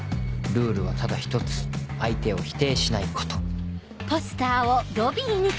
「ルールはただ一つ相手を否定しないこと」